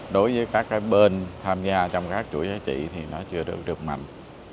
đối với các bên tham gia trong các chuỗi giá trị thì nó chưa được được mạnh